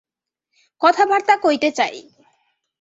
কথাবার্তা কইতে চাই।